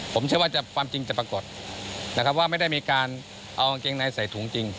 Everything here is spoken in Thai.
ผมเชื่อว่าความจริงจะปรากฏนะครับว่าไม่ได้มีการเอากางเกงในใส่ถุงจริง